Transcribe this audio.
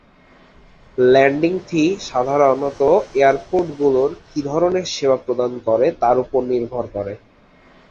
Landing fee সাধারনত airport গুলোর কি ধরনের সেবা প্রদান করে তার উপর নির্ভর করে।